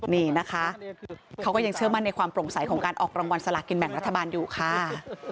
นี่นะคะเขาก็ยังเชื่อมั่นในความโปร่งใสของการออกรางวัลสลากินแบ่งรัฐบาลอยู่ค่ะ